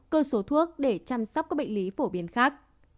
cơ số thuốc để chăm sóc các bệnh lý phổ biến khác